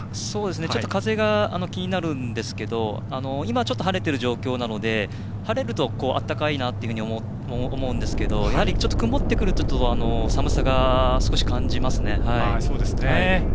ちょっと風が気になるんですが今、晴れている状況なので晴れると暖かいなと思うんですけれどもやはりちょっと曇ってくると寒さを少し感じますね。